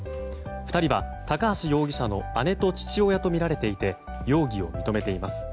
２人は高橋容疑者の姉と父親とみられていて容疑を認めています。